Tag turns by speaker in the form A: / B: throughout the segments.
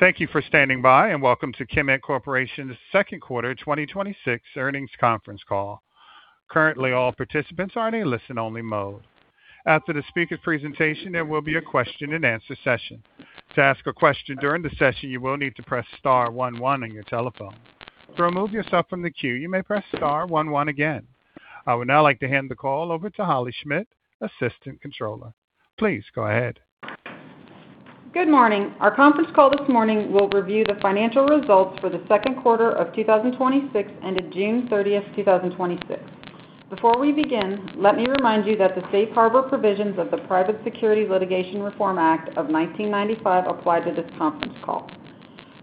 A: Thank you for standing by, and welcome to Chemed Corporation's second quarter 2026 earnings conference call. Currently, all participants are in a listen-only mode. After the speaker's presentation, there will be a question-and-answer session. To ask a question during the session, you will need to press star one one on your telephone. To remove yourself from the queue, you may press star one one again. I would now like to hand the call over to Holley Schmidt, Assistant Controller. Please go ahead.
B: Good morning. Our conference call this morning will review the financial results for the second quarter of 2026 ended June 30th, 2026. Before we begin, let me remind you that the safe harbor provisions of the Private Securities Litigation Reform Act of 1995 apply to this conference call.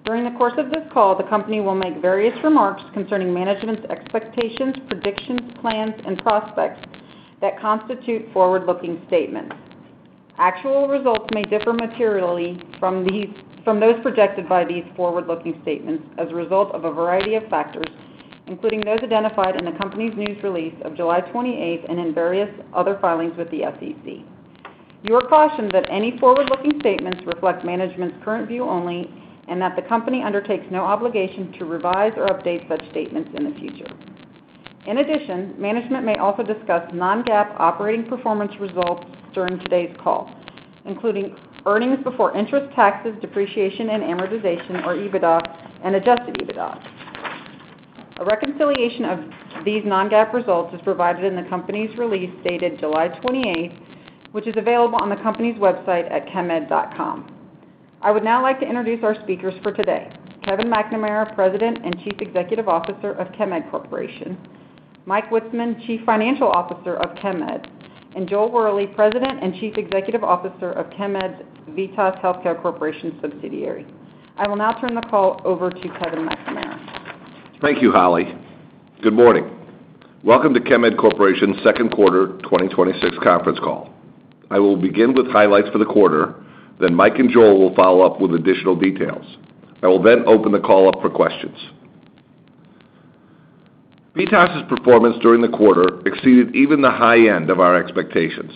B: During the course of this call, the company will make various remarks concerning management's expectations, predictions, plans, and prospects that constitute forward-looking statements. Actual results may differ materially from those projected by these forward-looking statements as a result of a variety of factors, including those identified in the company's news release of July 28th and in various other filings with the SEC. You are cautioned that any forward-looking statements reflect management's current view only and that the company undertakes no obligation to revise or update such statements in the future. In addition, management may also discuss non-GAAP operating performance results during today's call, including earnings before interest, taxes, depreciation, and amortization, or EBITDA and adjusted EBITDA. A reconciliation of these non-GAAP results is provided in the company's release dated July 28th, which is available on the company's website at chemed.com. I would now like to introduce our speakers for today, Kevin McNamara, President and Chief Executive Officer of Chemed Corporation, Mike Witzeman, Chief Financial Officer of Chemed, and Joel Wherley, President and Chief Executive Officer of Chemed's VITAS Healthcare Corporation subsidiary. I will now turn the call over to Kevin McNamara.
C: Thank you, Holley. Good morning. Welcome to Chemed Corporation's second quarter 2026 conference call. I will begin with highlights for the quarter, then Mike and Joel will follow up with additional details. I will then open the call up for questions. VITAS's performance during the quarter exceeded even the high end of our expectations.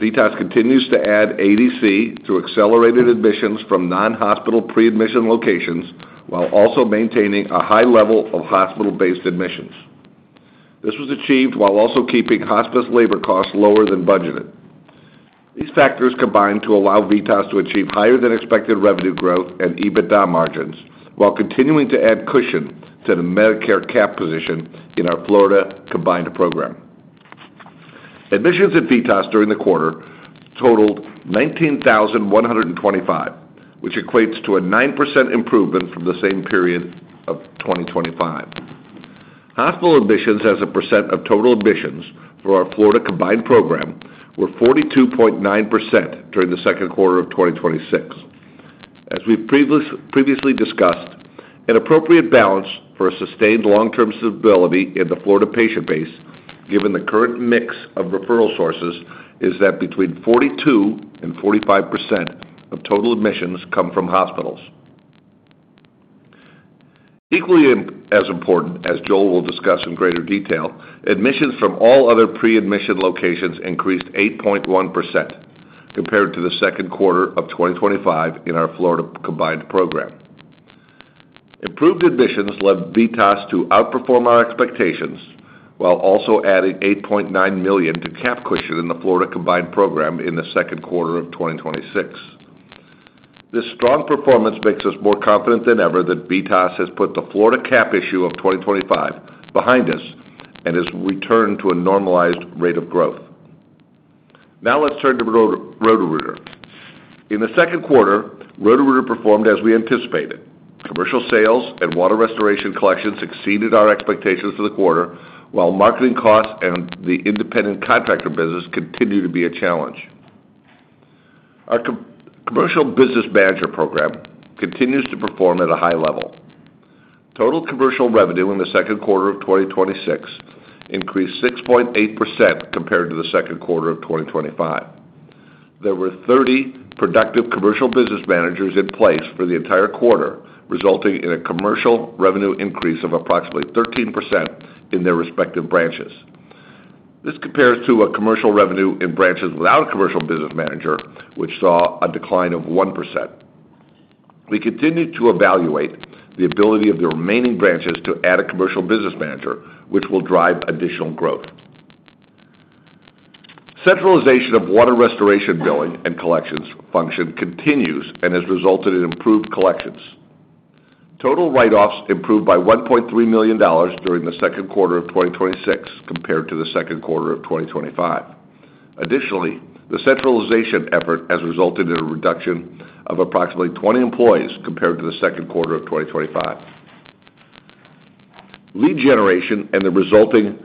C: VITAS continues to add ADC through accelerated admissions from non-hospital pre-admission locations while also maintaining a high level of hospital-based admissions. This was achieved while also keeping hospice labor costs lower than budgeted. These factors combined to allow VITAS to achieve higher than expected revenue growth and EBITDA margins while continuing to add cushion to the Medicare Cap position in our Florida Combined Program. Admissions at VITAS during the quarter totaled 19,125, which equates to a 9% improvement from the same period of 2025. Hospital admissions as a percent of total admissions for our Florida Combined Program were 42.9% during the second quarter of 2026. As we've previously discussed, an appropriate balance for a sustained long-term stability in the Florida patient base, given the current mix of referral sources, is that between 42% and 45% of total admissions come from hospitals. Equally as important, as Joel will discuss in greater detail, admissions from all other pre-admission locations increased 8.1% compared to the second quarter of 2025 in our Florida Combined Program. Improved admissions led VITAS to outperform our expectations while also adding $8.9 million to cap cushion in the Florida Combined Program in the second quarter of 2026. This strong performance makes us more confident than ever that VITAS has put the Florida cap issue of 2025 behind us and has returned to a normalized rate of growth. Let's turn to Roto-Rooter. In the second quarter, Roto-Rooter performed as we anticipated. Commercial sales and water restoration collections exceeded our expectations for the quarter, while marketing costs and the independent contractor business continue to be a challenge. Our commercial business manager program continues to perform at a high level. Total commercial revenue in the second quarter of 2026 increased 6.8% compared to the second quarter of 2025. There were 30 productive commercial business managers in place for the entire quarter, resulting in a commercial revenue increase of approximately 13% in their respective branches. This compares to a commercial revenue in branches without a commercial business manager, which saw a decline of 1%. We continue to evaluate the ability of the remaining branches to add a commercial business manager, which will drive additional growth. Centralization of water restoration billing and collections function continues and has resulted in improved collections. Total write-offs improved by $1.3 million during the second quarter of 2026 compared to the second quarter of 2025. The centralization effort has resulted in a reduction of approximately 20 employees compared to the second quarter of 2025. Lead generation and the resulting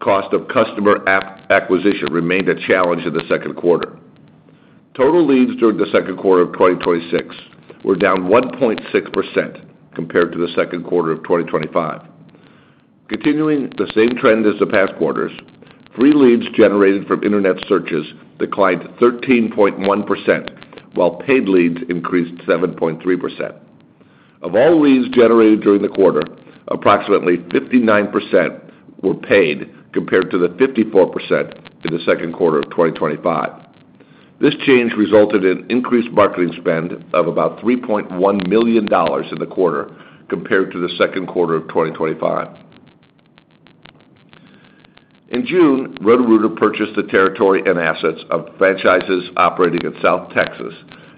C: cost of customer acquisition remained a challenge in the second quarter. Total leads during the second quarter of 2026 were down 1.6% compared to the second quarter of 2025. Continuing the same trend as the past quarters, free leads generated from internet searches declined 13.1%, while paid leads increased 7.3%. Of all leads generated during the quarter, approximately 59% were paid, compared to the 54% in the second quarter of 2025. This change resulted in increased marketing spend of about $3.1 million in the quarter compared to the second quarter of 2025. In June, Roto-Rooter purchased the territory and assets of franchises operating in South Texas,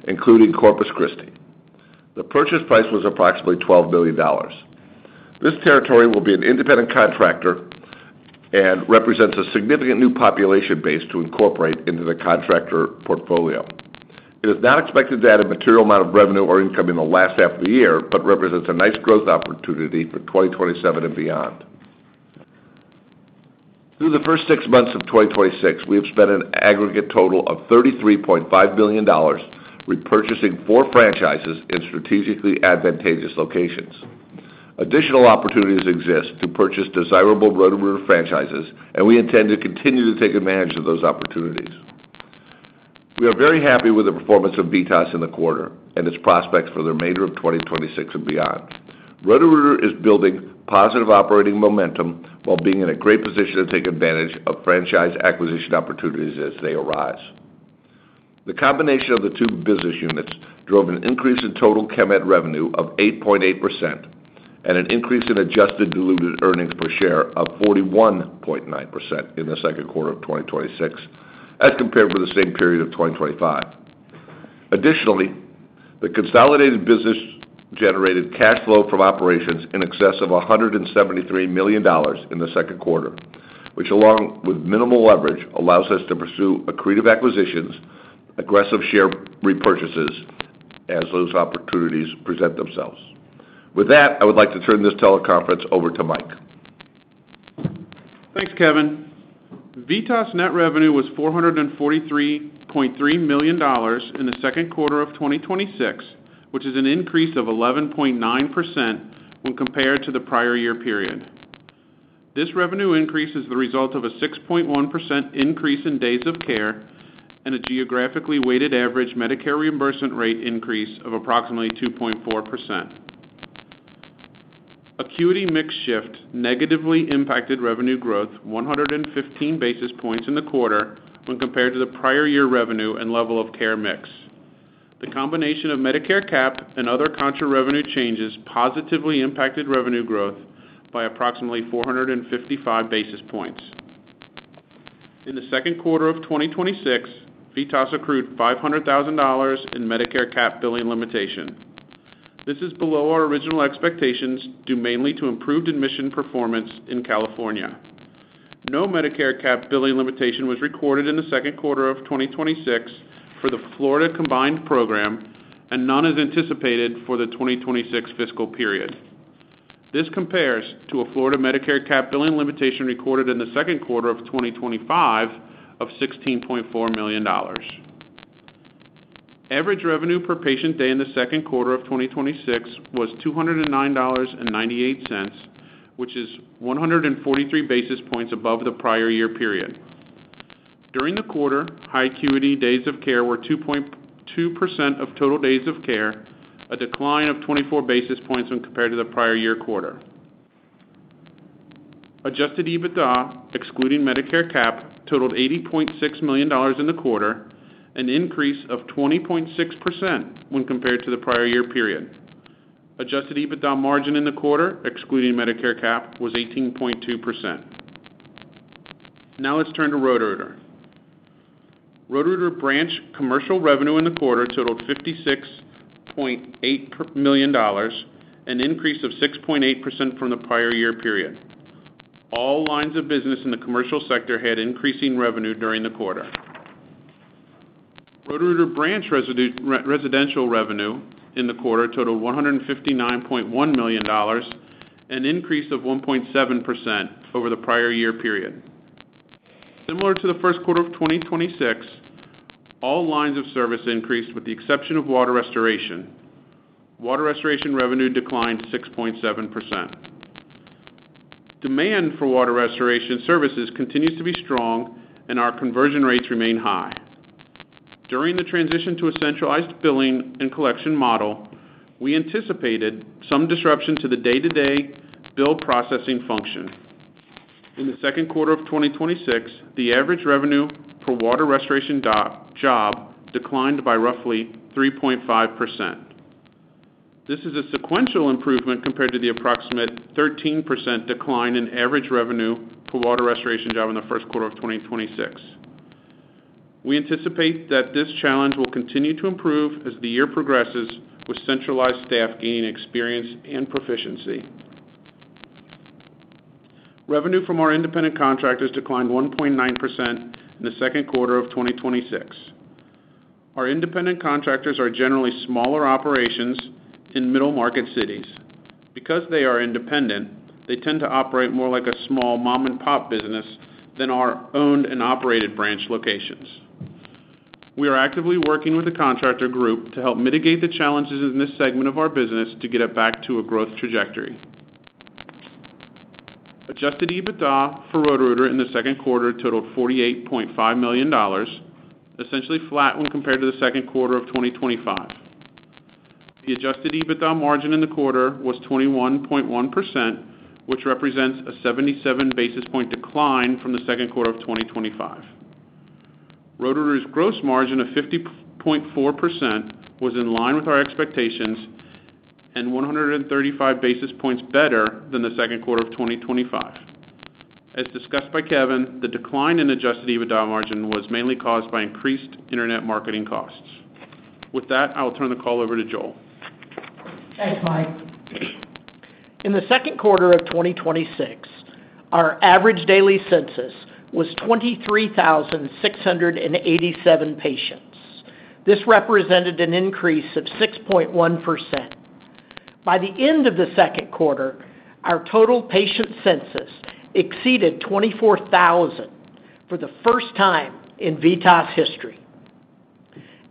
C: including Corpus Christi. The purchase price was approximately $12 million. This territory will be an independent contractor and represents a significant new population base to incorporate into the contractor portfolio. It is not expected to add a material amount of revenue or income in the last half of the year, but represents a nice growth opportunity for 2027 and beyond. Through the first six months of 2026, we have spent an aggregate total of $33.5 million repurchasing four franchises in strategically advantageous locations. Additional opportunities exist to purchase desirable Roto-Rooter franchises, and we intend to continue to take advantage of those opportunities. We are very happy with the performance of VITAS in the quarter and its prospects for the remainder of 2026 and beyond. Roto-Rooter is building positive operating momentum while being in a great position to take advantage of franchise acquisition opportunities as they arise. The combination of the two business units drove an increase in total Chemed revenue of 8.8% and an increase in adjusted diluted earnings per share of 41.9% in the second quarter of 2026 as compared with the same period of 2025. Additionally, the consolidated business generated cash flow from operations in excess of $173 million in the second quarter, which, along with minimal leverage, allows us to pursue accretive acquisitions, aggressive share repurchases as those opportunities present themselves. With that, I would like to turn this teleconference over to Mike.
D: Thanks, Kevin. VITAS net revenue was $443.3 million in the second quarter of 2026, which is an increase of 11.9% when compared to the prior year period. This revenue increase is the result of a 6.1% increase in days of care and a geographically weighted average Medicare reimbursement rate increase of approximately 2.4%. Acuity mix shift negatively impacted revenue growth 115 basis points in the quarter when compared to the prior year revenue and level of care mix. The combination of Medicare Cap and other contra revenue changes positively impacted revenue growth by approximately 455 basis points. In the second quarter of 2026, VITAS accrued $500,000 in Medicare Cap billing limitation. This is below our original expectations, due mainly to improved admission performance in California. No Medicare Cap billing limitation was recorded in the second quarter of 2026 for the Florida Combined Program, and none is anticipated for the 2026 fiscal period. This compares to a Florida Medicare Cap billing limitation recorded in the second quarter of 2025 of $16.4 million. Average revenue per patient day in the second quarter of 2026 was $209.98, which is 143 basis points above the prior year period. During the quarter, high acuity days of care were 2.2% of total days of care, a decline of 24 basis points when compared to the prior year quarter. Adjusted EBITDA, excluding Medicare Cap, totaled $80.6 million in the quarter, an increase of 20.6% when compared to the prior year period. Adjusted EBITDA margin in the quarter, excluding Medicare Cap, was 18.2%. Let's turn to Roto-Rooter. Roto-Rooter branch commercial revenue in the quarter totaled $56.8 million, an increase of 6.8% from the prior year period. All lines of business in the commercial sector had increasing revenue during the quarter. Roto-Rooter branch residential revenue in the quarter totaled $159.1 million, an increase of 1.7% over the prior year period. Similar to the first quarter of 2026, all lines of service increased with the exception of water restoration. Water restoration revenue declined 6.7%. Demand for water restoration services continues to be strong, and our conversion rates remain high. During the transition to a centralized billing and collection model, we anticipated some disruption to the day-to-day bill processing function. In the second quarter of 2026, the average revenue per water restoration job declined by roughly 3.5%. This is a sequential improvement compared to the approximate 13% decline in average revenue per water restoration job in the first quarter of 2026. We anticipate that this challenge will continue to improve as the year progresses with centralized staff gaining experience and proficiency. Revenue from our independent contractors declined 1.9% in the second quarter of 2026. Our independent contractors are generally smaller operations in middle-market cities. Because they are independent, they tend to operate more like a small mom-and-pop business than our owned and operated branch locations. We are actively working with the contractor group to help mitigate the challenges in this segment of our business to get it back to a growth trajectory. Adjusted EBITDA for Roto-Rooter in the second quarter totaled $48.5 million, essentially flat when compared to the second quarter of 2025. The adjusted EBITDA margin in the quarter was 21.1%, which represents a 77 basis point decline from the second quarter of 2025. Roto-Rooter's gross margin of 50.4% was in line with our expectations and 135 basis points better than the second quarter of 2025. As discussed by Kevin, the decline in adjusted EBITDA margin was mainly caused by increased internet marketing costs. With that, I will turn the call over to Joel.
E: Thanks, Mike. In the second quarter of 2026, our average daily census was 23,687 patients. This represented an increase of 6.1%. By the end of the second quarter, our total patient census exceeded 24,000 for the first time in VITAS history.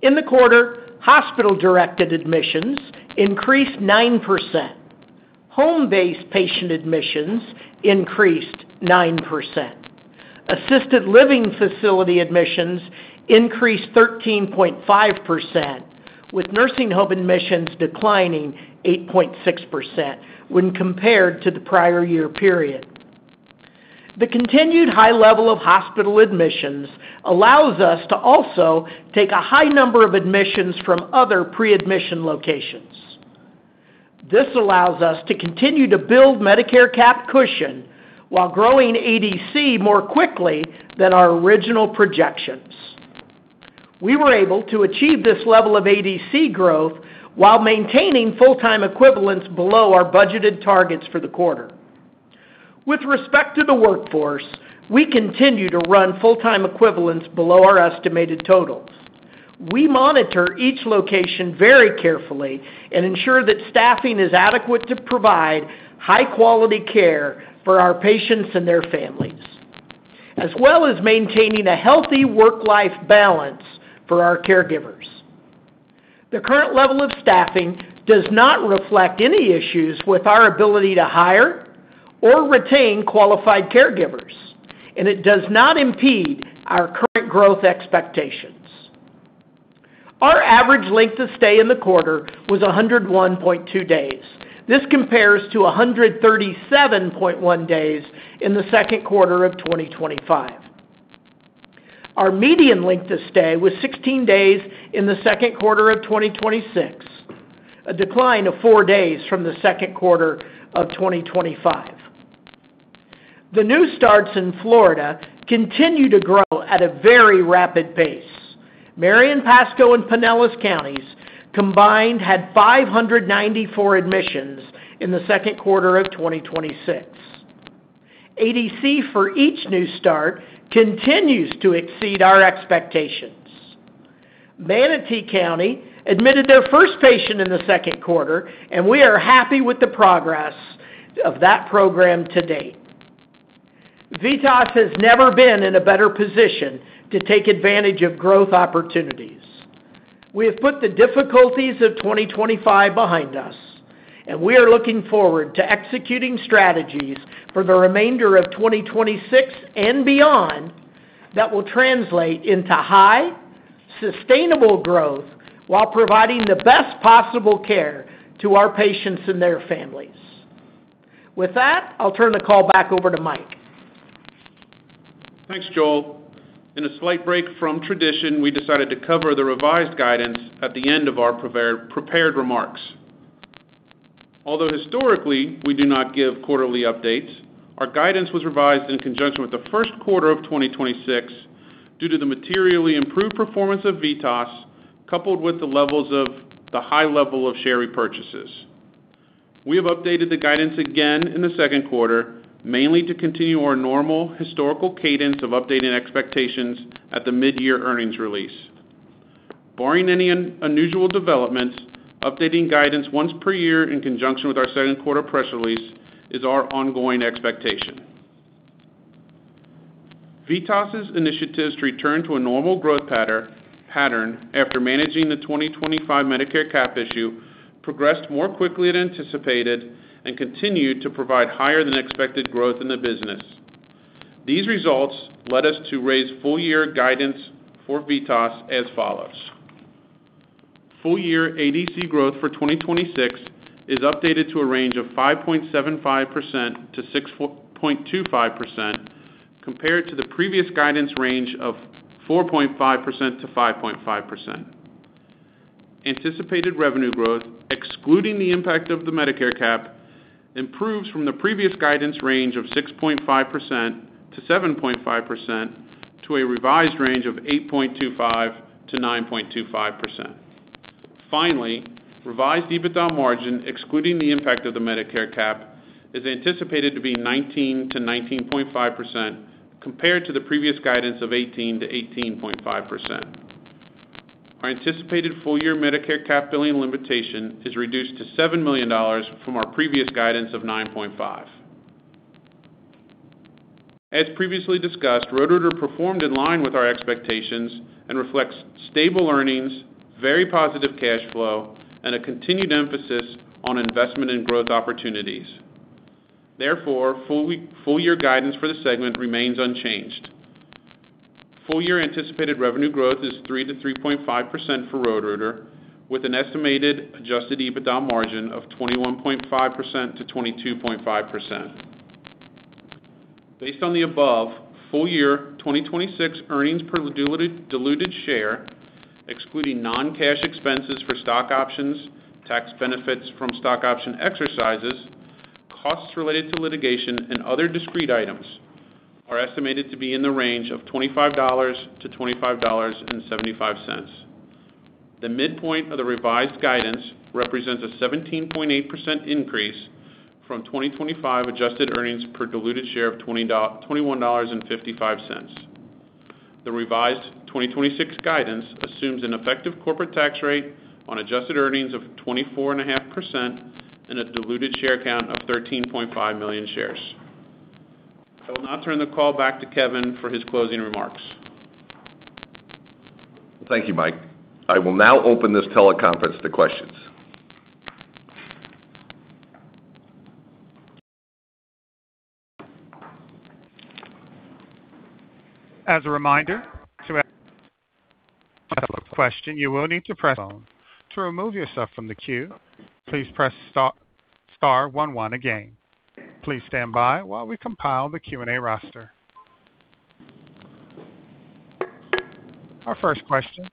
E: In the quarter, hospital-directed admissions increased 9%. Home-based patient admissions increased 9%. Assisted living facility admissions increased 13.5%, with nursing home admissions declining 8.6% when compared to the prior year period. The continued high level of hospital admissions allows us to also take a high number of admissions from other pre-admission locations. This allows us to continue to build Medicare Cap cushion while growing ADC more quickly than our original projections. We were able to achieve this level of ADC growth while maintaining full-time equivalents below our budgeted targets for the quarter. With respect to the workforce, we continue to run full-time equivalents below our estimated totals. We monitor each location very carefully and ensure that staffing is adequate to provide high-quality care for our patients and their families, as well as maintaining a healthy work-life balance for our caregivers. The current level of staffing does not reflect any issues with our ability to hire or retain qualified caregivers, and it does not impede our current growth expectations. Our average length of stay in the quarter was 101.2 days. This compares to 137.1 days in the second quarter of 2025. Our median length of stay was 16 days in the second quarter of 2026, a decline of four days from the second quarter of 2025. The new starts in Florida continue to grow at a very rapid pace. Marion, Pasco, and Pinellas counties combined had 594 admissions in the second quarter of 2026. ADC for each new start continues to exceed our expectations. Manatee County admitted their first patient in the second quarter. We are happy with the progress of that program to date. VITAS has never been in a better position to take advantage of growth opportunities. We have put the difficulties of 2025 behind us. We are looking forward to executing strategies for the remainder of 2026 and beyond that will translate into high, sustainable growth while providing the best possible care to our patients and their families. With that, I'll turn the call back over to Mike.
D: Thanks, Joel. In a slight break from tradition, we decided to cover the revised guidance at the end of our prepared remarks. Although historically we do not give quarterly updates, our guidance was revised in conjunction with the first quarter of 2026 due to the materially improved performance of VITAS, coupled with the high level of share repurchases. We have updated the guidance again in the second quarter, mainly to continue our normal historical cadence of updating expectations at the mid-year earnings release. Barring any unusual developments, updating guidance once per year in conjunction with our second quarter press release is our ongoing expectation. VITAS' initiatives to return to a normal growth pattern after managing the 2025 Medicare Cap issue progressed more quickly than anticipated and continued to provide higher than expected growth in the business. These results led us to raise full-year guidance for VITAS as follows. Full-year ADC growth for 2026 is updated to a range of 5.75%-6.25%, compared to the previous guidance range of 4.5%-5.5%. Anticipated revenue growth, excluding the impact of the Medicare Cap, improves from the previous guidance range of 6.5%-7.5% to a revised range of 8.25%-9.25%. Finally, revised EBITDA margin, excluding the impact of the Medicare Cap, is anticipated to be 19%-19.5%, compared to the previous guidance of 18%-18.5%. Our anticipated full-year Medicare Cap billing limitation is reduced to $7 million from our previous guidance of $9.5 million. Roto-Rooter performed in line with our expectations and reflects stable earnings, very positive cash flow, and a continued emphasis on investment in growth opportunities. Full-year guidance for the segment remains unchanged. Full-year anticipated revenue growth is 3%-3.5% for Roto-Rooter, with an estimated adjusted EBITDA margin of 21.5%-22.5%. Based on the above, full-year 2026 earnings per diluted share, excluding non-cash expenses for stock options, tax benefits from stock option exercises, costs related to litigation, and other discrete items, are estimated to be in the range of $25-$25.75. The midpoint of the revised guidance represents a 17.8% increase from 2025 adjusted earnings per diluted share of $21.55. The revised 2026 guidance assumes an effective corporate tax rate on adjusted earnings of 24.5% and a diluted share count of 13.5 million shares. I will now turn the call back to Kevin for his closing remarks.
C: Thank you, Mike. I will now open this teleconference to questions.
A: As a reminder, to question, you will need to press star one. To remove yourself from the queue, please press star one one again. Please stand by while we compile the Q&A roster. Our first question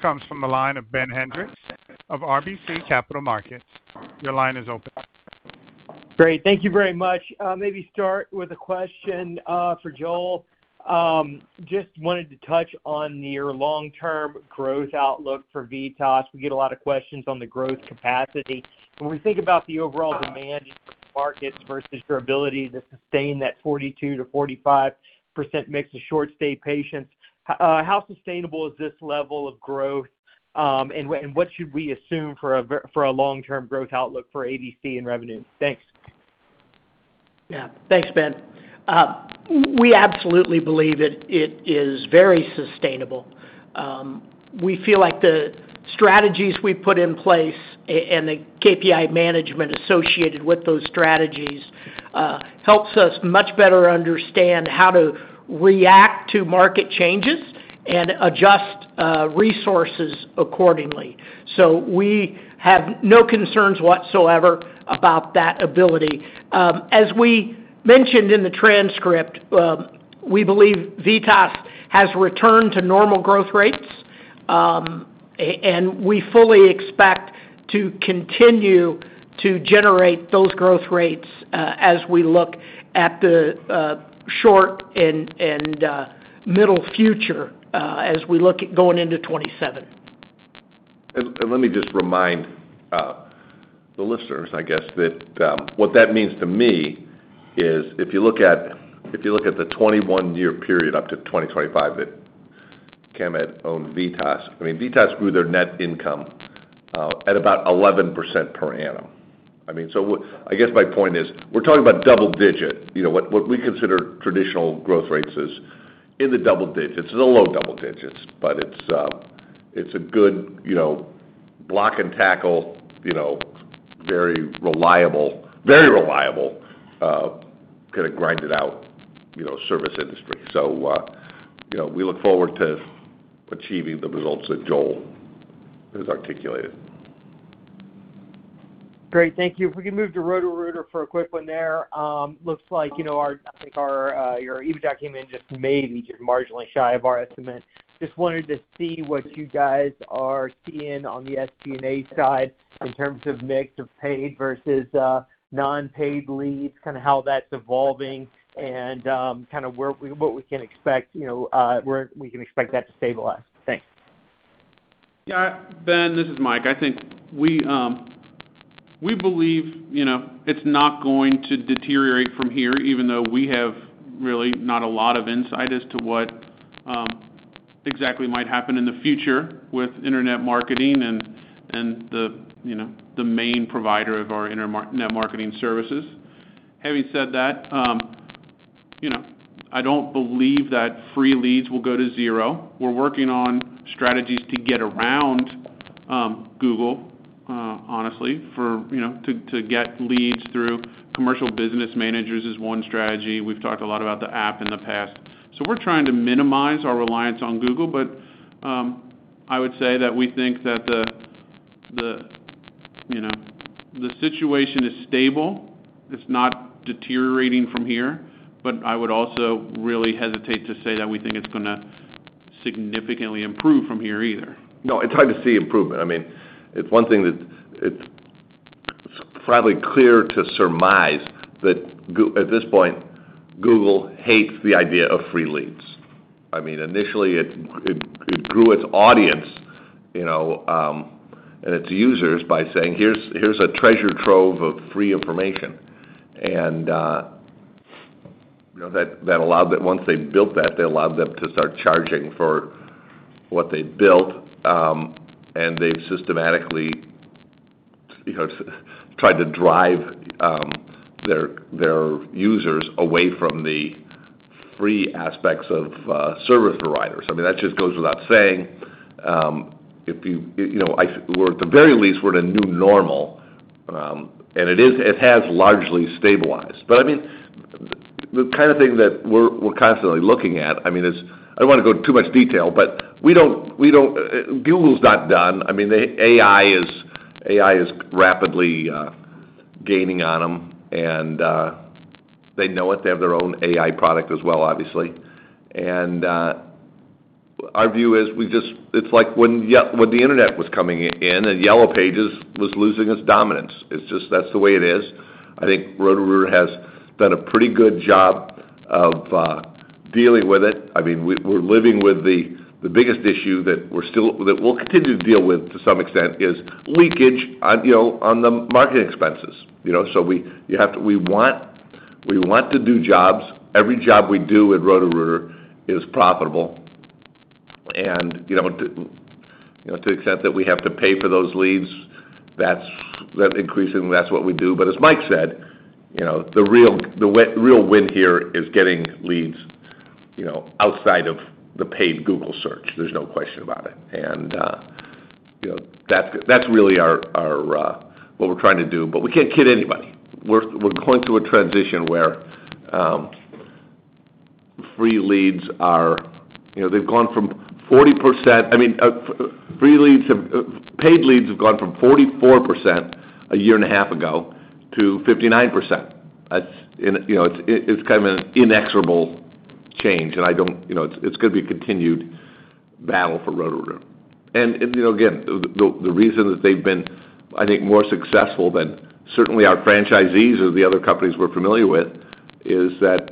A: comes from the line of Ben Hendrix of RBC Capital Markets. Your line is open.
F: Great. Thank you very much. Maybe start with a question for Joel. Just wanted to touch on your long-term growth outlook for VITAS. We get a lot of questions on the growth capacity. When we think about the overall demand in the markets versus your ability to sustain that 42%-45% mix of short-stay patients, how sustainable is this level of growth? What should we assume for a long-term growth outlook for ADC and revenue? Thanks.
E: Yeah. Thanks, Ben. We absolutely believe it is very sustainable. We feel like the KPI management associated with those strategies, helps us much better understand how to react to market changes and adjust resources accordingly. We have no concerns whatsoever about that ability. As we mentioned in the transcript, we believe VITAS has returned to normal growth rates. We fully expect to continue to generate those growth rates, as we look at the short and middle future, as we look at going into 2027.
C: Let me just remind the listeners, I guess, that what that means to me is if you look at the 21-year period up to 2025 that Chemed owned VITAS grew their net income at about 11% per annum. I guess my point is, we're talking about double digit. What we consider traditional growth rates is in the double digits. It's in the low double digits, but it's a good block-and-tackle, very reliable kind of grinded out service industry. We look forward to achieving the results that Joel has articulated.
F: Great. Thank you. If we could move to Roto-Rooter for a quick one there. Looks like your EBITDA came in just maybe marginally shy of our estimate. Just wanted to see what you guys are seeing on the SG&A side in terms of mix of paid versus non-paid leads, kind of how that's evolving and what we can expect that to stabilize. Thanks.
D: Ben, this is Mike. I think we believe it's not going to deteriorate from here, even though we have really not a lot of insight as to what exactly might happen in the future with internet marketing and the main provider of our internet marketing services. Having said that, I don't believe that free leads will go to zero. We're working on strategies to get around Google, honestly, to get leads through commercial business managers is one strategy. We've talked a lot about the app in the past. We're trying to minimize our reliance on Google. I would say that we think that the situation is stable. It's not deteriorating from here. I would also really hesitate to say that we think it's going to significantly improve from here either.
C: It's hard to see improvement. It's probably clear to surmise that at this point, Google hates the idea of free leads. Initially, it grew its audience and its users by saying, "Here's a treasure trove of free information." Once they built that allowed them to start charging for what they built, and they've systematically try to drive their users away from the free aspects of service providers. That just goes without saying. At the very least, we're at a new normal, and it has largely stabilized. The kind of thing that we're constantly looking at is I don't want to go in too much detail, but Google's not done. AI is rapidly gaining on them, and they know it. They have their own AI product as well, obviously. Our view is it's like when the internet was coming in, Yellow Pages was losing its dominance. It's just that's the way it is. I think Roto-Rooter has done a pretty good job of dealing with it. We're living with the biggest issue that we'll continue to deal with to some extent is leakage on the marketing expenses. We want to do jobs. Every job we do at Roto-Rooter is profitable. To the extent that we have to pay for those leads, increasingly that's what we do. As Mike said, the real win here is getting leads outside of the paid Google search. There's no question about it. That's really what we're trying to do. We can't kid anybody. Paid leads have gone from 44% a year and a half ago to 59%. It's kind of an inexorable change, it's going to be a continued battle for Roto-Rooter. Again, the reason that they've been, I think, more successful than certainly our franchisees or the other companies we're familiar with is that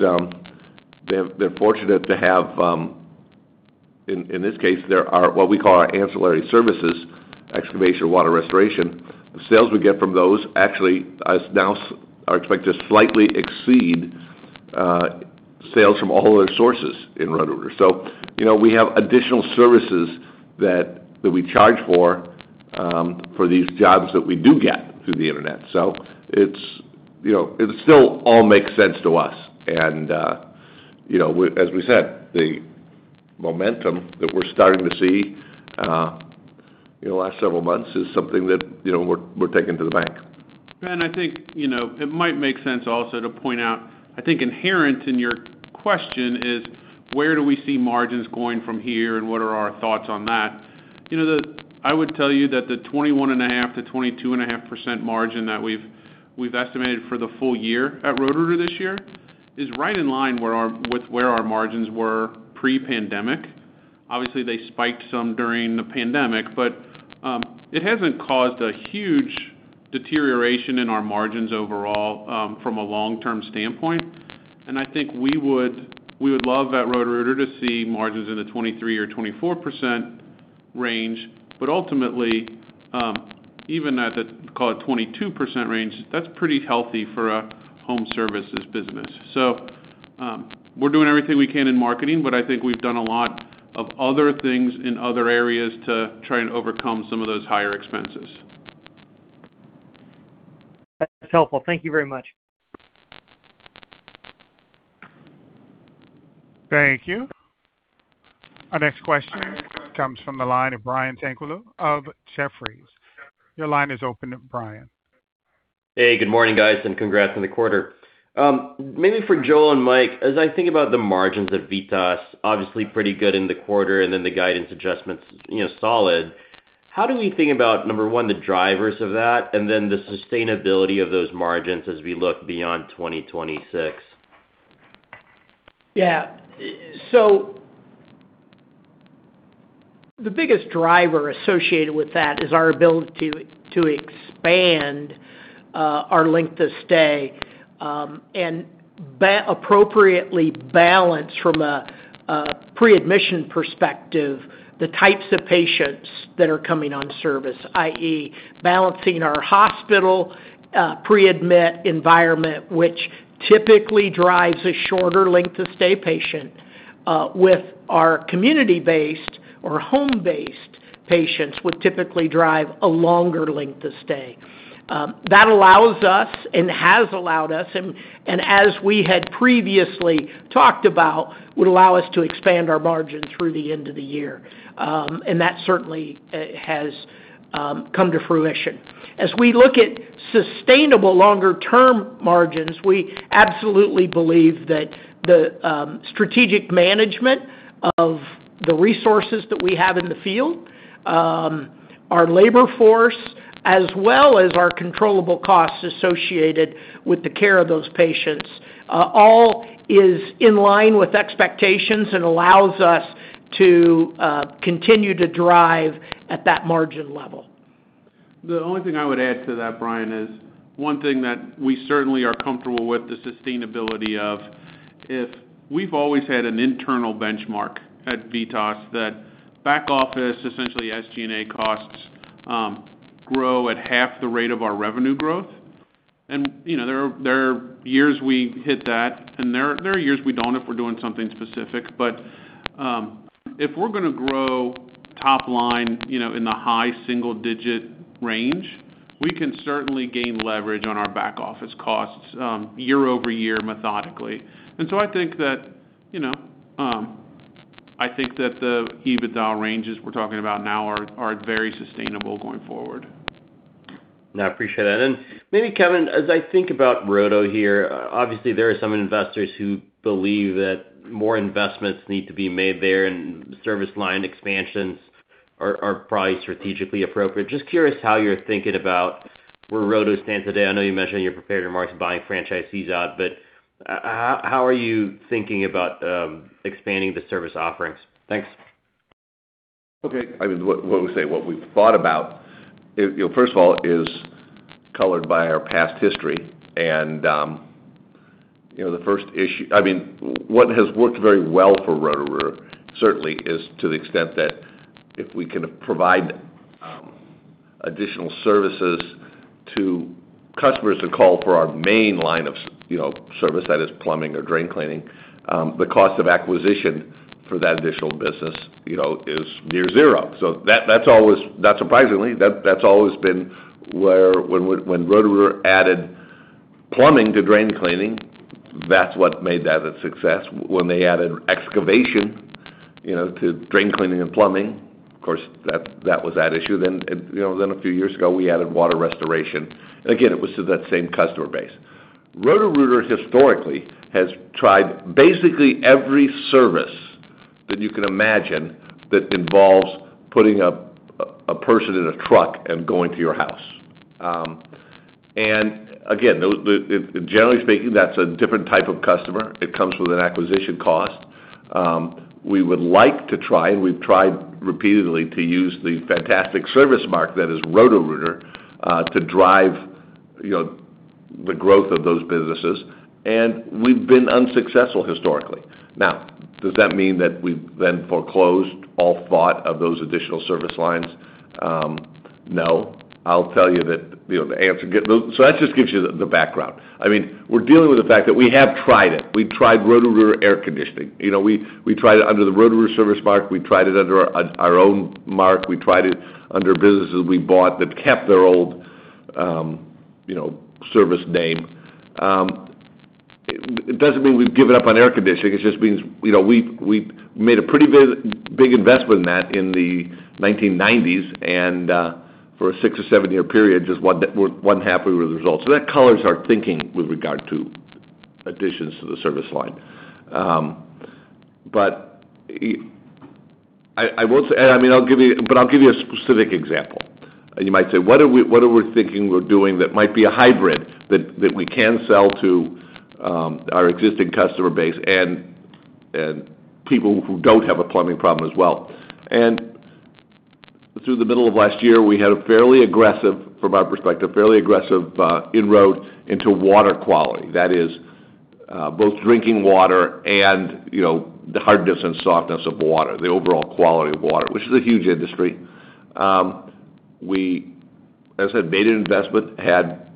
C: they're fortunate to have, in this case, what we call our ancillary services, excavation, water restoration. The sales we get from those actually now are expected to slightly exceed sales from all other sources in Roto-Rooter. We have additional services that we charge for these jobs that we do get through the internet. It still all makes sense to us. As we said, the momentum that we're starting to see in the last several months is something that we're taking to the bank.
D: Ben, I think it might make sense also to point out, I think inherent in your question is where do we see margins going from here and what are our thoughts on that? I would tell you that the 21.5%-22.5% margin that we've estimated for the full year at Roto-Rooter this year is right in line with where our margins were pre-pandemic. Obviously, they spiked some during the pandemic, but it hasn't caused a huge deterioration in our margins overall from a long-term standpoint. I think we would love at Roto-Rooter to see margins in the 23%-24% range, but ultimately even at the, call it, 22% range, that's pretty healthy for a home services business. We're doing everything we can in marketing, but I think we've done a lot of other things in other areas to try and overcome some of those higher expenses.
F: That's helpful. Thank you very much.
A: Thank you. Our next question comes from the line of Brian Tanquilut of Jefferies. Your line is open, Brian.
G: Hey, good morning, guys, and congrats on the quarter. Maybe for Joel and Mike, as I think about the margins at VITAS, obviously pretty good in the quarter and then the guidance adjustments solid. How do we think about, number 1, the drivers of that and then the sustainability of those margins as we look beyond 2026?
E: Yeah. The biggest driver associated with that is our ability to expand our length of stay and appropriately balance from a pre-admission perspective the types of patients that are coming on service, i.e., balancing our hospital pre-admit environment, which typically drives a shorter length of stay patient with our community-based or home-based patients would typically drive a longer length of stay. That allows us and has allowed us, and as we had previously talked about, would allow us to expand our margin through the end of the year. That certainly has come to fruition. As we look at sustainable longer-term margins, we absolutely believe that the strategic management of the resources that we have in the field, our labor force, as well as our controllable costs associated with the care of those patients, all is in line with expectations and allows us to continue to drive at that margin level.
D: The only thing I would add to that, Brian, is one thing that we certainly are comfortable with the sustainability of, is we've always had an internal benchmark at VITAS that back office, essentially SG&A costs, grow at half the rate of our revenue growth. There are years we hit that, and there are years we don't if we're doing something specific. If we're going to grow top line in the high single-digit range, we can certainly gain leverage on our back-office costs year-over-year methodically. I think that the EBITDA ranges we're talking about now are very sustainable going forward.
G: No, I appreciate that. Maybe Kevin, as I think about Roto here, obviously there are some investors who believe that more investments need to be made there, service line expansions are probably strategically appropriate. Just curious how you're thinking about where Roto stands today. I know you mentioned in your prepared remarks buying franchisees out, how are you thinking about expanding the service offerings? Thanks.
C: Okay. I mean, what we say, what we've thought about, first of all, is colored by our past history. The first issue. What has worked very well for Roto-Rooter certainly is to the extent that if we can provide additional services to customers who call for our main line of service, that is plumbing or drain cleaning, the cost of acquisition for that additional business is near zero. Not surprisingly, that's always been where when Roto-Rooter added plumbing to drain cleaning, that's what made that a success. When they added excavation to drain cleaning and plumbing, of course, that was at issue then. A few years ago, we added water restoration. Again, it was to that same customer base. Roto-Rooter historically has tried basically every service that you can imagine that involves putting a person in a truck and going to your house. Again, generally speaking, that's a different type of customer. It comes with an acquisition cost. We would like to try, and we've tried repeatedly to use the fantastic service mark that is Roto-Rooter, to drive the growth of those businesses. We've been unsuccessful historically. Now, does that mean that we've then foreclosed all thought of those additional service lines? No. I'll tell you that the answer. That just gives you the background. We're dealing with the fact that we have tried it. We tried Roto-Rooter air conditioning. We tried it under the Roto-Rooter service mark. We tried it under our own mark. We tried it under businesses we bought that kept their old service name. It doesn't mean we've given up on air conditioning. It just means we made a pretty big investment in that in the 1990s, for a six or seven-year period, just wasn't happy with the results. That colors our thinking with regard to additions to the service line. I'll give you a specific example, and you might say, what are we thinking we're doing that might be a hybrid that we can sell to our existing customer base and people who don't have a plumbing problem as well? Through the middle of last year, we had, from our perspective, a fairly aggressive inroad into water quality. That is both drinking water and the hardness and softness of water, the overall quality of water, which is a huge industry. We, as I said, made an investment, had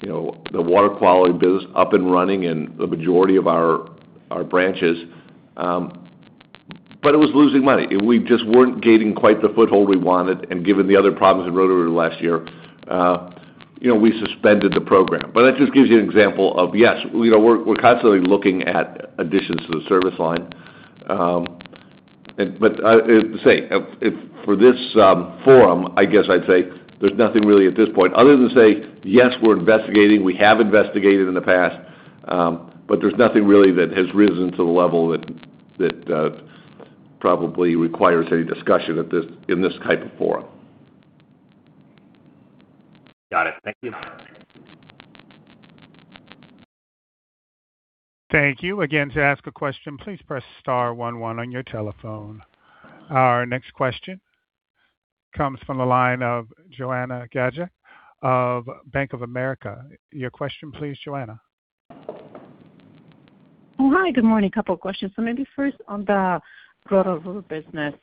C: the water quality business up and running in the majority of our branches. It was losing money. We just weren't gaining quite the foothold we wanted, and given the other problems in Roto-Rooter last year, we suspended the program. That just gives you an example of, yes, we're constantly looking at additions to the service line. For this forum, I guess I'd say there's nothing really at this point other than say, yes, we're investigating. We have investigated in the past. There's nothing really that has risen to the level that probably requires any discussion in this type of forum.
G: Got it. Thank you.
A: Thank you. Again, to ask a question, please press * one one on your telephone. Our next question comes from the line of Joanna Gajuk of Bank of America. Your question please, Joanna.
H: Hi, good morning. A couple of questions. Maybe first on the Roto-Rooter business.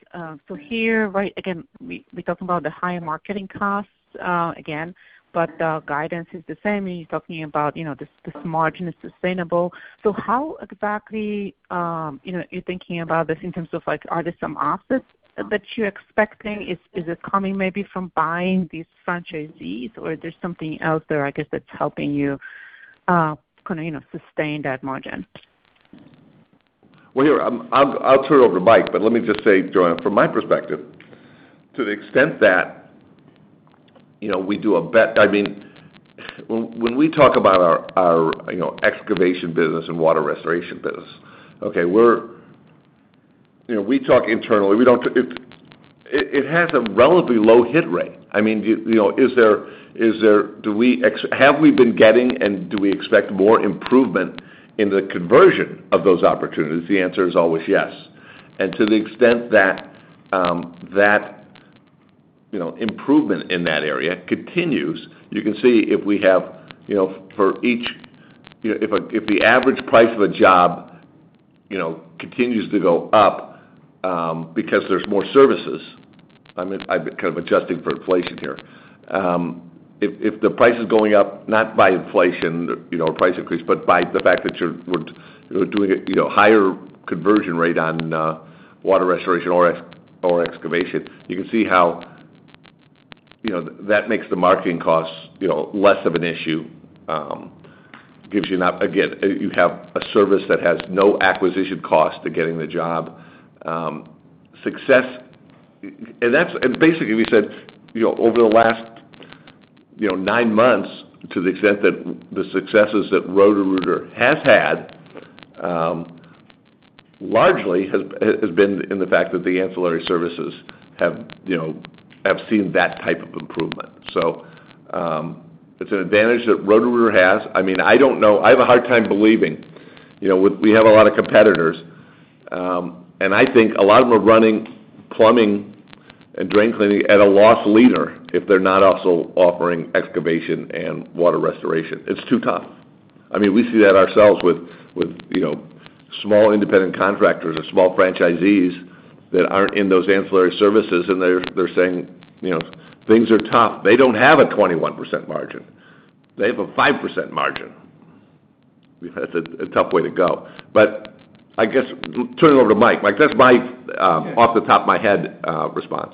H: Here, again, we talk about the higher marketing costs again, but the guidance is the same, and you're talking about this margin is sustainable. How exactly are you thinking about this in terms of, are there some offsets that you're expecting? Is this coming maybe from buying these franchisees, or there's something else there, I guess, that's helping you sustain that margin?
C: Well, here, I'll turn it over to Mike, but let me just say, Joanna, from my perspective, to the extent that we do When we talk about our excavation business and water restoration business, we talk internally. It has a relatively low hit rate. Have we been getting, and do we expect more improvement in the conversion of those opportunities? The answer is always yes. To the extent that improvement in that area continues, you can see if the average price of a job continues to go up because there's more services. I'm kind of adjusting for inflation here. If the price is going up, not by inflation, price increase, but by the fact that we're doing a higher conversion rate on water restoration or excavation, you can see how that makes the marketing costs less of an issue. Again, you have a service that has no acquisition cost to getting the job. Basically, we said over the last nine months, to the extent that the successes that Roto-Rooter has had, largely has been in the fact that the ancillary services have seen that type of improvement. It's an advantage that Roto-Rooter has. I have a hard time believing. We have a lot of competitors, and I think a lot of them are running plumbing and drain cleaning at a loss leader if they're not also offering excavation and water restoration. It's too tough. We see that ourselves with small independent contractors or small franchisees that aren't in those ancillary services, and they're saying, "Things are tough." They don't have a 21% margin. They have a 5% margin. That's a tough way to go. I guess turning it over to Mike. Mike, that's off the top of my head response.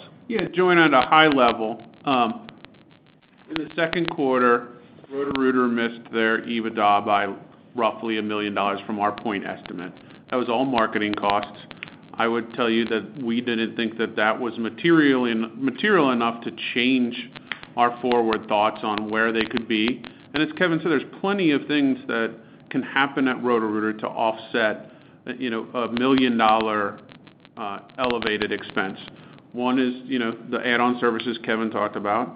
D: Joanna, at a high level. In the second quarter, Roto-Rooter missed their EBITDA by roughly $1 million from our point estimate. That was all marketing costs. I would tell you that we didn't think that that was material enough to change our forward thoughts on where they could be. As Kevin said, there's plenty of things that can happen at Roto-Rooter to offset a $1 million elevated expense. One is, the add-on services Kevin talked about.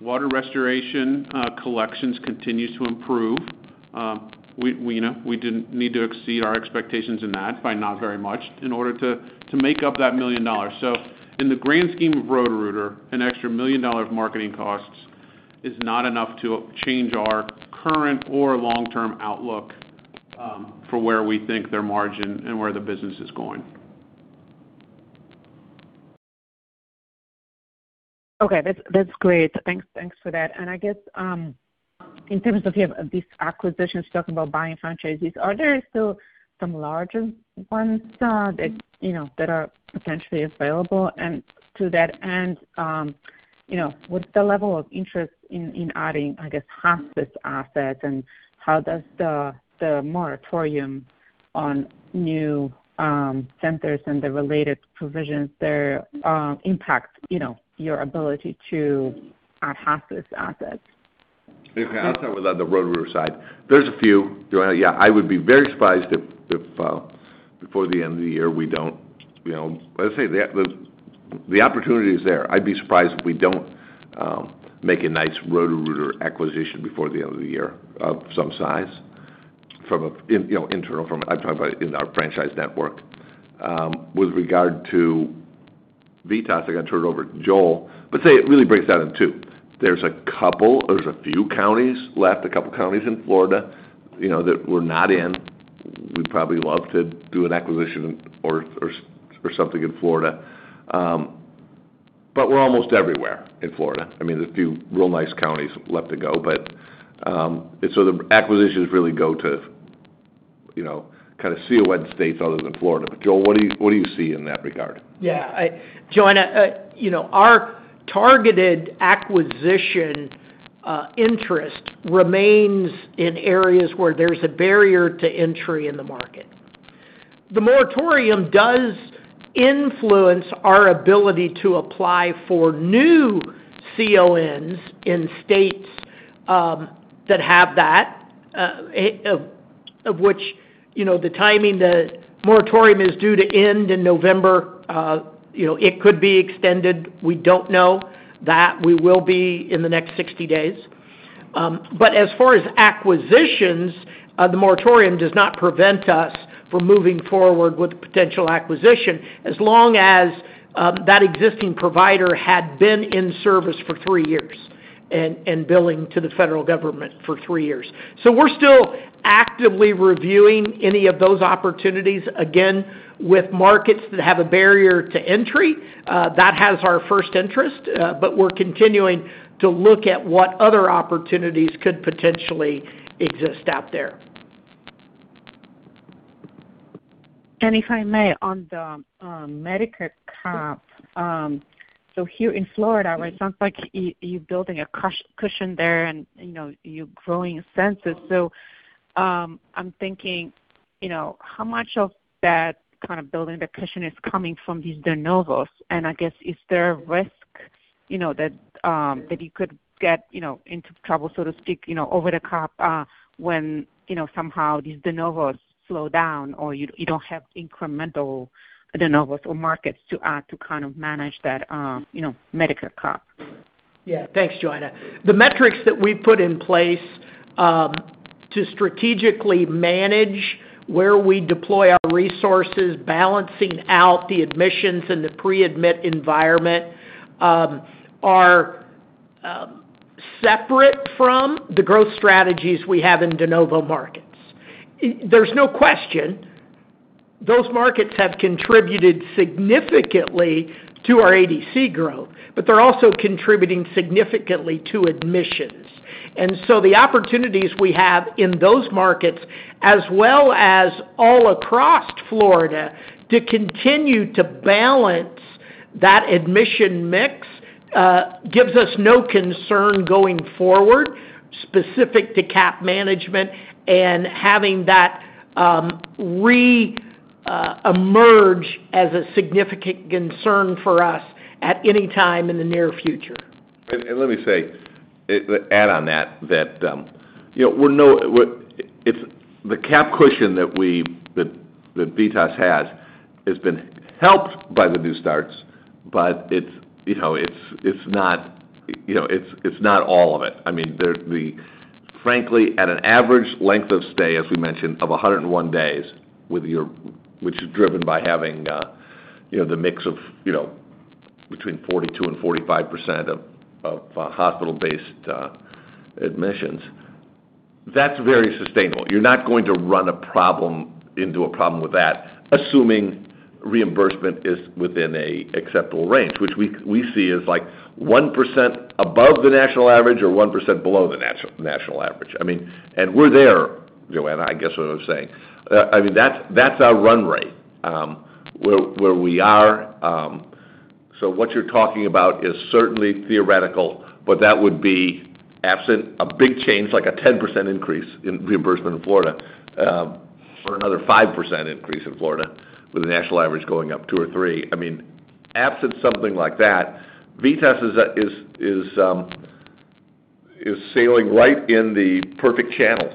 D: Water restoration collections continues to improve. We didn't need to exceed our expectations in that by not very much in order to make up that $1 million. In the grand scheme of Roto-Rooter, an extra $1 million of marketing costs is not enough to change our current or long-term outlook for where we think their margin and where the business is going.
H: Okay. That's great. Thanks for that. I guess, in terms of these acquisitions, talking about buying franchisees, are there still some larger ones that are potentially available? To that end, what's the level of interest in adding, I guess, hospice assets, and how does the moratorium on new centers and the related provisions there impact your ability to add hospice assets?
C: I'll start with the Roto-Rooter side. There's a few. Joanna, yeah, I would be very surprised if before the end of the year the opportunity is there. I'd be surprised if we don't make a nice Roto-Rooter acquisition before the end of the year of some size, internal, I'm talking about in our franchise network. With regard to VITAS, I got to turn it over to Joel. Say it really breaks down in two. There's a few counties left, a couple counties in Florida, that we're not in. We'd probably love to do an acquisition or something in Florida. We're almost everywhere in Florida. There's a few real nice counties left to go. The acquisitions really go to kind of CON states other than Florida. Joel, what do you see in that regard?
E: Yeah. Joanna, our targeted acquisition interest remains in areas where there's a barrier to entry in the market. The moratorium does influence our ability to apply for new CONs in states that have that, of which the timing, the moratorium is due to end in November. It could be extended. We don't know that. We will be in the next 60 days. As far as acquisitions, the moratorium does not prevent us from moving forward with potential acquisition as long as that existing provider had been in service for three years and billing to the federal government for three years. We're still actively reviewing any of those opportunities. Again, with markets that have a barrier to entry, that has our first interest, but we're continuing to look at what other opportunities could potentially exist out there.
H: If I may, on the Medicare Cap. Here in Florida, where it sounds like you're building a cushion there and you're growing census. I'm thinking, how much of that kind of building the cushion is coming from these de novos? I guess, is there a risk that you could get into trouble, so to speak, over the Cap when somehow these de novos slow down or you don't have incremental de novos or markets to add to kind of manage that Medicare Cap?
E: Yeah. Thanks, Joanna. The metrics that we put in place to strategically manage where we deploy our resources, balancing out the admissions in the pre-admit environment are separate from the growth strategies we have in de novo markets. There's no question those markets have contributed significantly to our ADC growth, but they're also contributing significantly to admissions. The opportunities we have in those markets, as well as all across Florida to continue to balance that admission mix, gives us no concern going forward, specific to Cap management and having that re-emerge as a significant concern for us at any time in the near future.
C: Let me add on that, the Cap cushion that VITAS has been helped by the new starts, but it's not all of it. Frankly, at an average length of stay, as we mentioned, of 101 days, which is driven by having the mix of between 42% and 45% of hospital-based admissions, that's very sustainable. You're not going to run into a problem with that, assuming reimbursement is within an acceptable range, which we see as 1% above the national average or 1% below the national average. We're there, Joanna, I guess what I was saying. That's our run rate, where we are. What you're talking about is certainly theoretical, but that would be absent a big change, like a 10% increase in reimbursement in Florida, or another 5% increase in Florida, with the national average going up 2% or 3%. Absent something like that, VITAS is sailing right in the perfect channel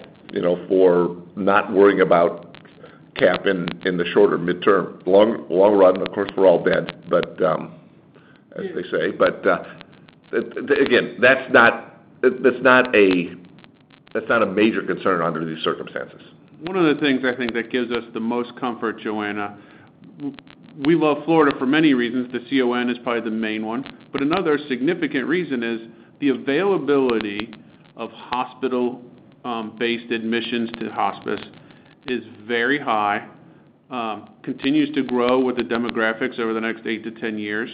C: for not worrying about Cap in the shorter midterm. Long run, of course, we're all dead, as they say. Again, that's not a major concern under these circumstances.
D: One of the things I think that gives us the most comfort, Joanna, we love Florida for many reasons. The CON is probably the main one, but another significant reason is the availability of hospital-based admissions to hospice is very high, continues to grow with the demographics over the next 8-10 years.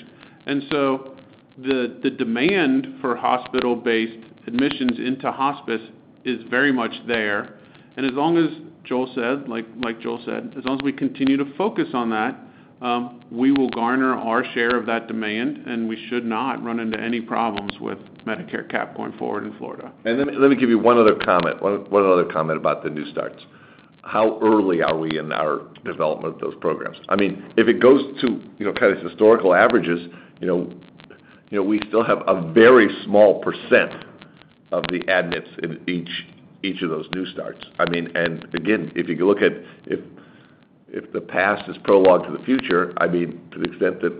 D: The demand for hospital-based admissions into hospice is very much there, as long as Joel said, like Joel said, as long as we continue to focus on that, we will garner our share of that demand, and we should not run into any problems with Medicare Cap going forward in Florida.
C: Let me give you one other comment about the new starts. How early are we in our development of those programs? If it goes to past historical averages, we still have a very small percent of the admits in each of those new starts. Again, if you look at if the past is prologue to the future, to the extent that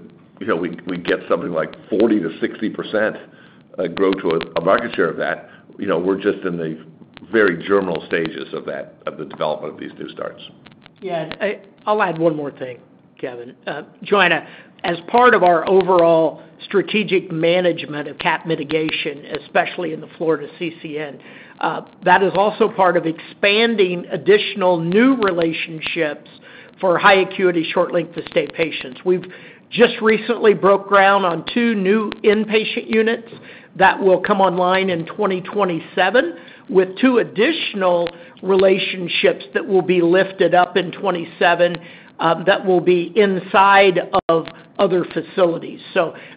C: we get something like 40%-60% growth of market share of that, we're just in the very germinal stages of the development of these new starts.
E: Yes. I'll add one more thing, Kevin. Joanna, as part of our overall strategic management of Cap mitigation, especially in the Florida CCN, that is also part of expanding additional new relationships for high acuity, short length of stay patients. We've just recently broke ground on two new inpatient units that will come online in 2027, with two additional relationships that will be lifted up in 2027, that will be inside of other facilities.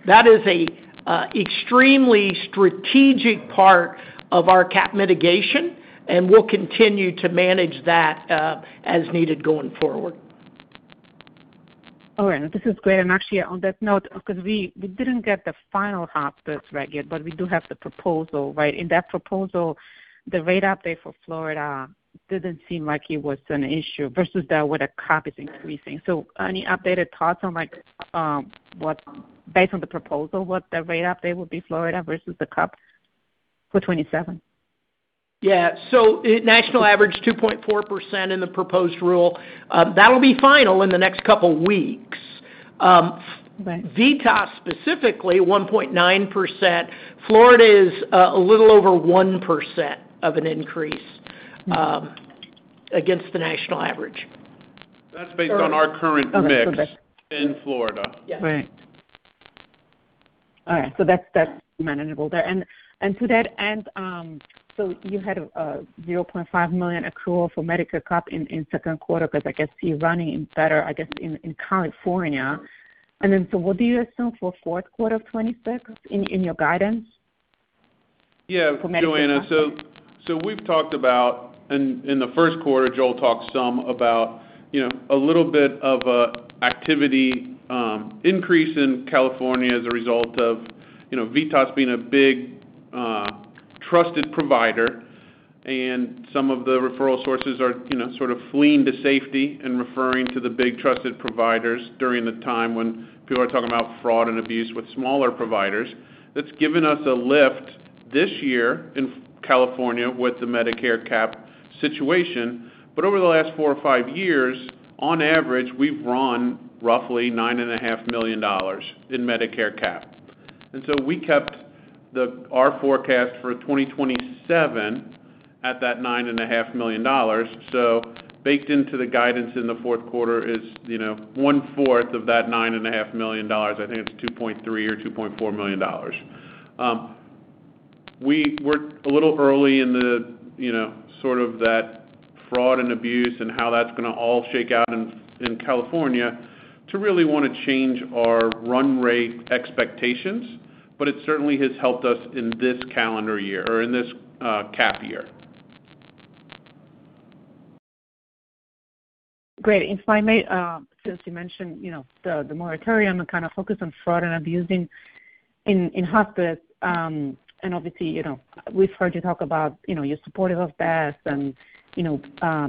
E: That is a extremely strategic part of our Cap mitigation, and we'll continue to manage that as needed going forward.
H: All right. This is great, and actually on that note, because we didn't get the final hospice reg yet, but we do have the proposal. In that proposal, the rate update for Florida didn't seem like it was an issue versus what a Cap is increasing. Any updated thoughts on based on the proposal, what the rate update will be Florida versus the Cap for 2027?
E: Yeah. National average 2.4% in the proposed rule. That'll be final in the next couple weeks.
H: Right.
E: VITAS specifically, 1.9%. Florida is a little over 1% of an increase against the national average.
D: That's based on our current mix in Florida.
E: Yes.
H: All right. That's manageable there. To that end, you had a $0.5 million accrual for Medicare Cap in second quarter because I guess you're running better, I guess, in California. What do you assume for fourth quarter of 2026 in your guidance for Medicare Cap?
D: Yeah. Joanna. We've talked about, and in the first quarter, Joel talked some about a little bit of activity increase in California as a result of VITAS being a big, trusted provider, and some of the referral sources are sort of fleeing to safety and referring to the big trusted providers during the time when people are talking about fraud and abuse with smaller providers. That's given us a lift this year in California with the Medicare Cap situation. Over the last four or five years, on average, we've run roughly $9.5 million in Medicare Cap. We kept our forecast for 2027 at that $9.5 million. Baked into the guidance in the fourth quarter is 1/4 of that $9.5 million. I think it's $2.3 or $2.4 million. We're a little early in the sort of that fraud and abuse and how that's going to all shake out in California to really want to change our run rate expectations. It certainly has helped us in this calendar year or in this Cap year.
H: Great. If I may, since you mentioned the moratorium kind of focus on fraud and abuse in hospice, and obviously, we've heard you talk about you're supportive of that and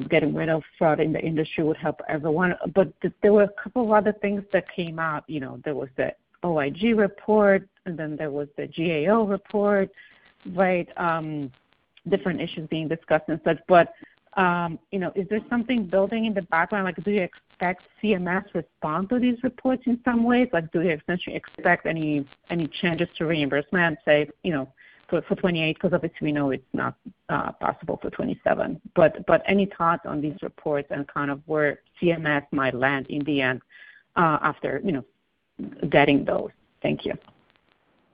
H: getting rid of fraud in the industry would help everyone. There were a couple of other things that came up. There was the OIG report, and then there was the GAO report, right? Different issues being discussed and such, but is there something building in the background? Do you expect CMS respond to these reports in some ways? Do you essentially expect any changes to reimbursement, say, for 2028? Because obviously we know it's not possible for 2027. Any thoughts on these reports and kind of where CMS might land in the end after getting those? Thank you.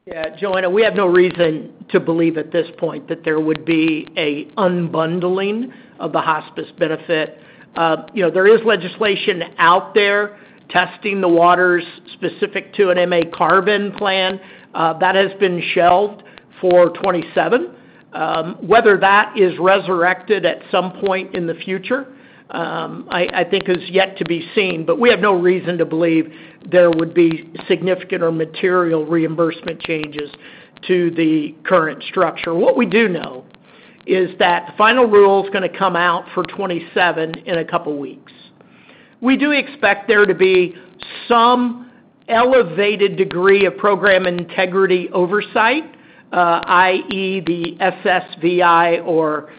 E: Yeah. Joanna, we have no reason to believe at this point that there would be a unbundling of the hospice benefit. There is legislation out there testing the waters specific to an MA carve-in plan. That has been shelved for 2027. Whether that is resurrected at some point in the future, I think is yet to be seen. We have no reason to believe there would be significant or material reimbursement changes to the current structure. What we do know is that the final rule is going to come out for 2027 in a couple of weeks. We do expect there to be some elevated degree of program integrity oversight, i.e., the SSVI or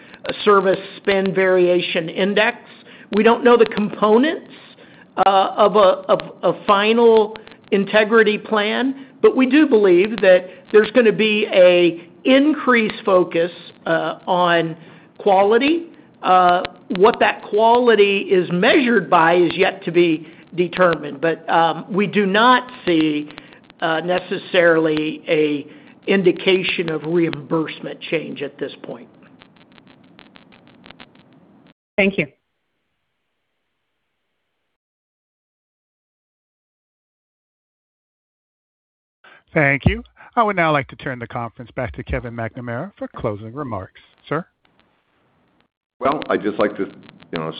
E: Service Spend Variation Index. We don't know the components of a final integrity plan, but we do believe that there's going to be a increased focus on quality. What that quality is measured by is yet to be determined. We do not see necessarily a indication of reimbursement change at this point.
H: Thank you.
A: Thank you. I would now like to turn the conference back to Kevin McNamara for closing remarks. Sir?
C: Well, I'd just like to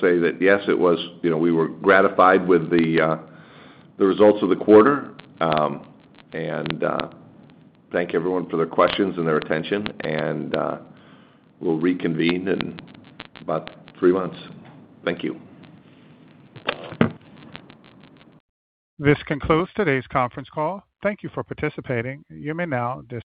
C: say that yes, we were gratified with the results of the quarter and thank everyone for their questions and their attention. We'll reconvene in about three months. Thank you.
A: This concludes today's conference call. Thank you for participating. You may now disconnect.